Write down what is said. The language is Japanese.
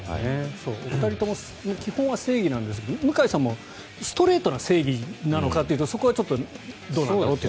お二人とも基本は正義なんですけど向井さんもストレートな正義なのかというとそこはちょっとどうなんだろうという。